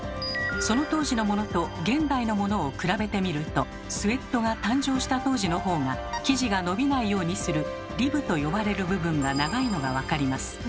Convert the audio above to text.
その当時のものと現代のものを比べてみるとスウェットが誕生した当時のほうが生地が伸びないようにする「リブ」と呼ばれる部分が長いのが分かります。